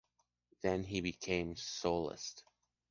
Then he became a soloist.